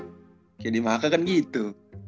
kayak di maka kan gitu